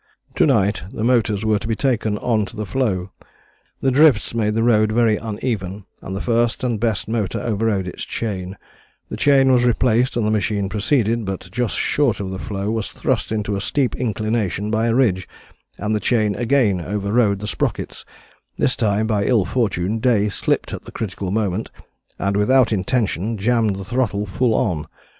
"To night the motors were to be taken on to the floe. The drifts made the road very uneven, and the first and best motor overrode its chain; the chain was replaced and the machine proceeded, but just short of the floe was thrust to a steep inclination by a ridge, and the chain again overrode the sprockets; this time by ill fortune Day slipped at the critical moment and without intention jammed the throttle full on.